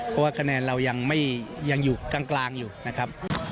เพราะว่าคะแนนเรายังอยู่กลางอยู่นะครับ